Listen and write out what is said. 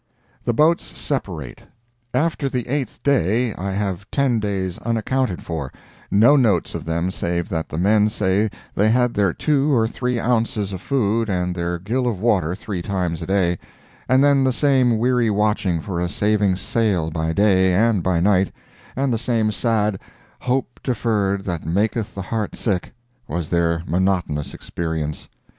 THE BOATS SEPARATE After the eighth day I have ten days unaccounted for—no notes of them save that the men say they had their two or three ounces of food and their gill of water three times a day—and then the same weary watching for a saving sail by day and by night, and the same sad "hope deferred that maketh the heart sick," was their monotonous experience.